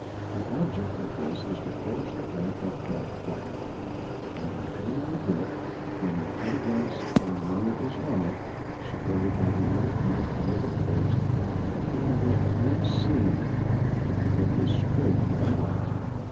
The object of this is to force the back up quite flat, and by holding the book when the cut against and runner is on it, supported by the other hand under the boards, it can be at once seen if the book is straight or not.